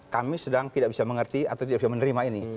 kami sedang tidak bisa mengerti atau tidak bisa menerima ini